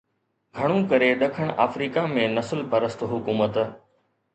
گهڻو ڪري ڏکڻ آفريڪا ۾ نسل پرست حڪومت